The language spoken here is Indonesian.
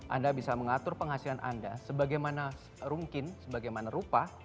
anda bisa mengatur penghasilan anda sebagaimana rumkin sebagaimana rupa